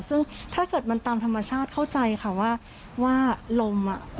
ซึ่งถ้าเกิดมันตามธรรมชาติเข้าใจค่ะว่าลมอ่ะ